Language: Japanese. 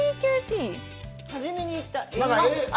初めに言った。